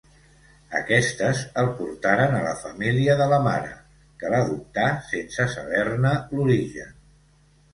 Aquestes el portaren a la família de la mare, que l'adoptà sense saber-ne l'origen.